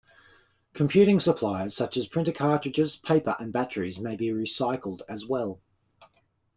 Computing supplies, such as printer cartridges, paper, and batteries may be recycled as well.